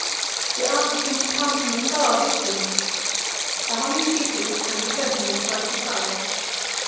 The answer seems to come from a far distance. The humming ceases, and the curtain is thrust aside.